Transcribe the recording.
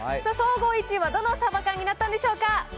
総合１位はどのサバ缶になったんでしょうか。